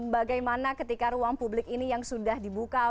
bagaimana ketika ruang publik ini yang sudah dibuka